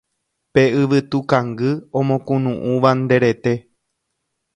Pe yvytu kangy omokunu'ũva nde rete